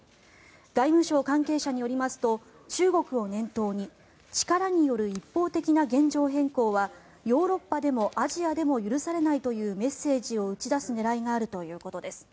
外務省関係者によりますと中国を念頭に力による一方的な現状変更はヨーロッパでもアジアでも許されないというメッセージを打ち出す狙いがあるということです。